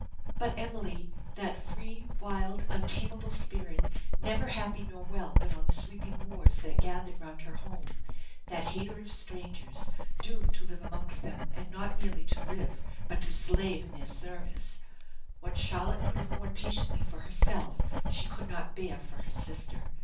But Emily that free, wild, untameable spirit, never happy nor well but on the sweeping moors that gathered round her home that hater of strangers, doomed to live amongst them, and not merely to live but to slave in their service what Charlotte could have borne patiently for herself, she could not bear for her sister.